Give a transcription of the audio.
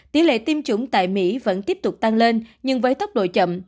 tỷ lệ tiêm chủng tại mỹ vẫn tiếp tục tăng lên nhưng với tốc độ chậm